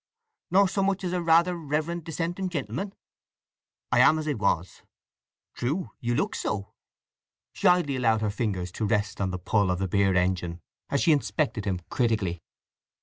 "Nor so much as a rather reverend dissenting gentleman?" "I am as I was." "True—you look so." She idly allowed her fingers to rest on the pull of the beer engine as she inspected him critically.